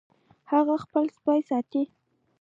هغه خپل سپی ساتي